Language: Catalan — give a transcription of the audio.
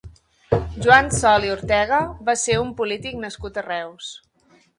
Joan Sol i Ortega va ser un polític nascut a Reus.